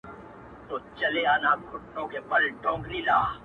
پر ما خوښي لكه باران را اوري~